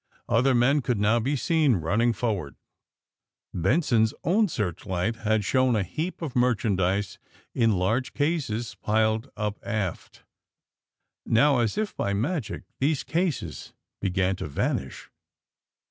Other men could now be seen running forward. Benson's own searchlight had shown a heap of merchandise, in large cases, piled up aft. Now, as if by magic, these cases began to vanish.